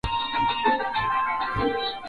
Ameonesha juhudi za kuboresha sekta ya uvuvi